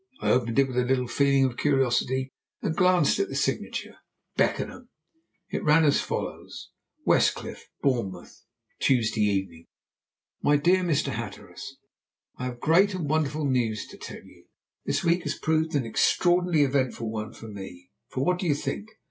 I opened it with a little feeling of curiosity, and glanced at the signature, "Beckenham." It ran as follows: "West Cliff, Bournemouth, "Tuesday Evening. "MY DEAR MR. HATTERAS, "I have great and wonderful news to tell you! This week has proved an extraordinarily eventful one for me, for what do you think?